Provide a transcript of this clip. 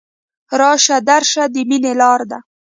راشه درشه د ميني لاره ده